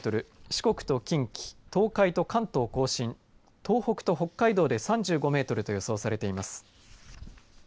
四国と近畿、東海と関東甲信東北と北海道で３５メートルと予想されています。